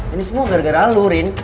ini semua gara gara lo rin